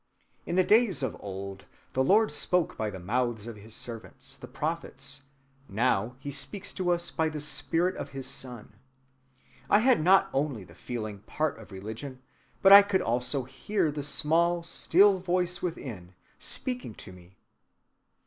In the days of old, the Lord spoke by the mouths of his servants, the prophets; now he speaks to us by the spirit of his Son. I had not only the feeling part of religion, but I could hear the small, still voice within speaking to me.